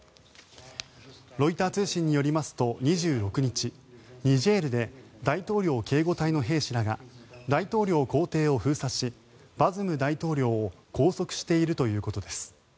ロイター通信によりますと２６日ニジェールで大統領警護隊の兵士らが大統領公邸を封鎖しバズム大統領を拘束しているということです。